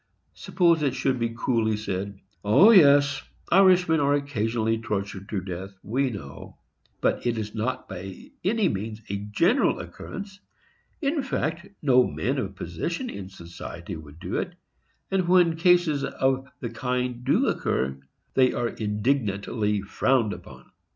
Suppose it should be coolly said, "O yes, Irishmen are occasionally tortured to death, we know; but it is not by any means a general occurrence; in fact, no men of position in society would do it; and when cases of the kind do occur, they are indignantly frowned upon."